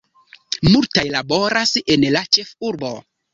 Multaj laboras en la ĉefurbo.